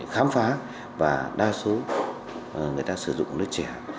khám phá và đa số người ta sử dụng nước trẻ